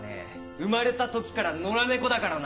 生まれた時から野良猫だからな。